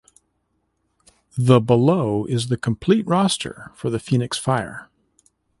The below is the complete roster for the Phoenix Fire.